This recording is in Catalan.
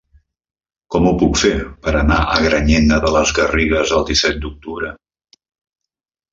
Com ho puc fer per anar a Granyena de les Garrigues el disset d'octubre?